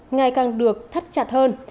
ngày càng được thắt chặt hơn